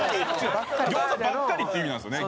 「餃子ばっかり」っていう意味なんですよね。